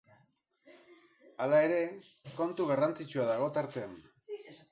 Hala ere, kontu garrantzitsua dago tartean.